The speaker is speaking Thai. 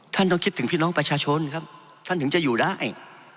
ท่านต้องคิดถึงพี่น้องประชาชนครับท่านถึงจะอยู่ได้